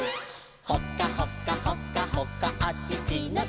「ほかほかほかほかあちちのチー」